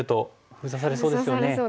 封鎖されそうですね。